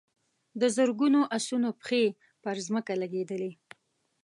د زرګونو آسونو پښې پر ځمکه لګېدلې.